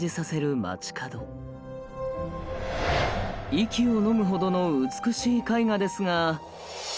息をのむほどの美しい絵画ですが。